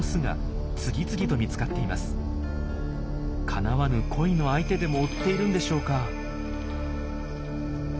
かなわぬ恋の相手でも追っているんでしょうか？